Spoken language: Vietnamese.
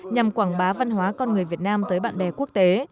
nhằm quảng bá văn hóa con người việt nam tới bạn bè quốc tế